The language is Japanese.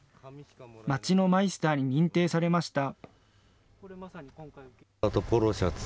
町のマイスターに認定されました。